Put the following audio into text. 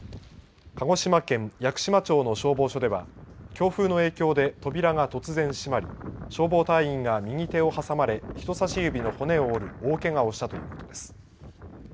鹿児島県屋久島町の消防署では、強風の影響で扉が突然閉まり、消防隊員が右手を挟まれ、人さし指の骨を折る大けがをしたということです。